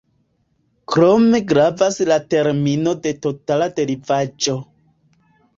Krome gravas la termino de totala derivaĵo.